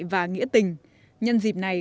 và nghĩa tình nhân dịp này